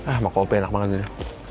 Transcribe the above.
ah mau kopi enak banget ini